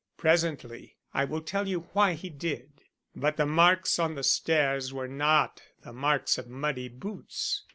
Presently I will tell you why he did. But the marks on the stairs were not the marks of muddy boots.